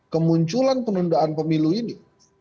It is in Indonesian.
kemunculan penundaan pemilu ini